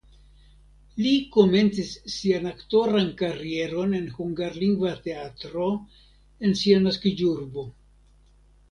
Li komencis sian aktoran karieron en hungarlingva teatro en sia naskiĝurbo.